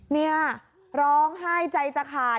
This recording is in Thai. นี่ร้องไห้ใจจะขาด